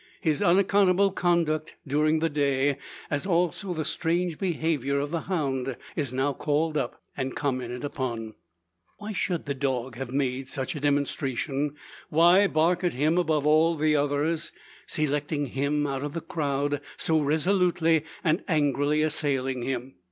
His unaccountable conduct during the day as also the strange behaviour of the hound is now called up, and commented upon. Why should the dog have made such demonstration? Why bark at him above all the others selecting him out of the crowd so resolutely and angrily assailing him?